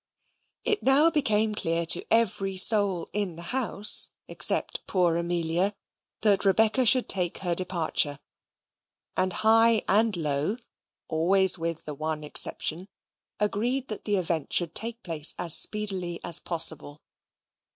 It now became clear to every soul in the house, except poor Amelia, that Rebecca should take her departure, and high and low (always with the one exception) agreed that that event should take place as speedily as possible.